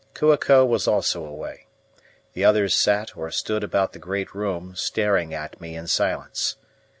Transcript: Kua ko was also away. The others sat or stood about the great room, staring at me in silence.